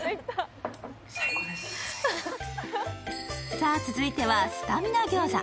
さぁ、続いてはスタミナ餃子。